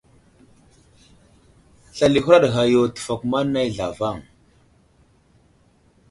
Slal i huraɗ ghay yo tefakuma nay zlavaŋ.